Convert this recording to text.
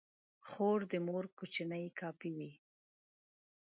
خور د مور کوچنۍ کاپي وي.